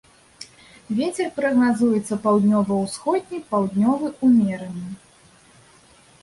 Вецер прагназуецца паўднёва-ўсходні, паўднёвы ўмераны.